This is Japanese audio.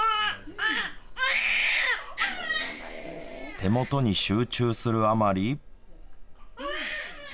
手元に集中するあまり。